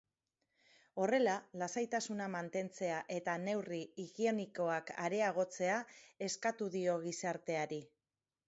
Horrela, lasaitasuna mantentzea eta neurri higienikoak areagotzea eskatu dio gizarteari.